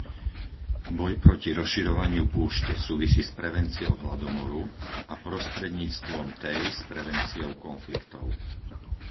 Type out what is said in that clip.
Boj proti rozširovaniu púšte súvisí s prevenciou hladomoru a prostredníctvom tej s prevenciou konfliktov.